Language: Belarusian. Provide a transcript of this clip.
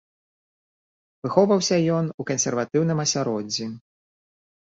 Выхоўваўся ён у кансерватыўным асяроддзі.